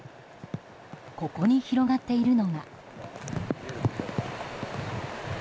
ここに広がっているのが。